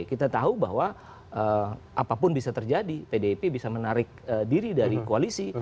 kita tahu bahwa apapun bisa terjadi pdip bisa menarik diri dari koalisi